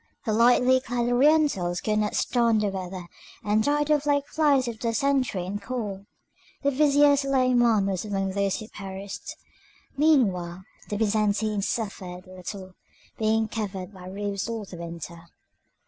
The lightly clad Orientals could not stand the weather, and died off like flies of dysentery and cold. The vizier Suleiman was among those who perished. Meanwhile the Byzantines suffered little, being covered by roofs all the winter.